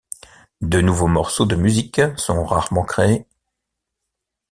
De nouveaux morceaux de musique sont rarement créés.